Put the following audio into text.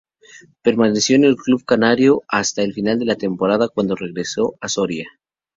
Permaneció en el club canario hasta el final de temporada, cuando regresó a Soria.